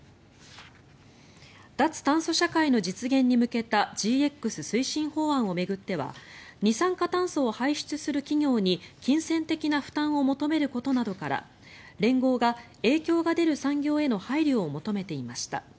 脱炭素社会の実現に向けたＧＸ推進法案を巡っては二酸化炭素を排出する企業に金銭的な負担を求めることなどから連合が影響が出る産業への配慮を求めていました。